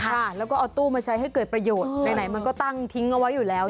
ค่ะแล้วก็เอาตู้มาใช้ให้เกิดประโยชน์ไหนมันก็ตั้งทิ้งเอาไว้อยู่แล้ว